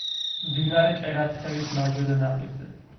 მდინარე ჭერათხევის მარჯვენა ნაპირზე.